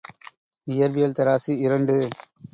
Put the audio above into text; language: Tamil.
இயற்பியல் தராசு, இரண்டு.